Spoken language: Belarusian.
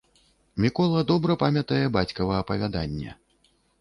Мікола добра памятае бацькава апавяданне.